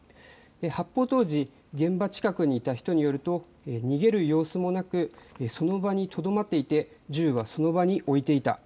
発砲当時、現場近くにいた人によると逃げる様子もなくその場にとどまっていて銃はその場に置いていた。